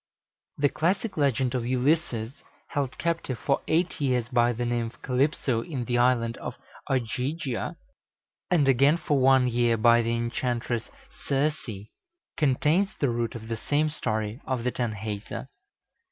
The classic legend of Ulysses, held captive for eight years by the nymph Calypso in the Island of Ogygia, and again for one year by the enchantress Circe, contains the root of the same story of the Tanhäuser.